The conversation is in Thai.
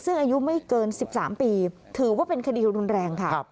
ซึ่งอายุไม่เกิน๑๓ปีถือว่าเป็นคดีรุนแรงค่ะ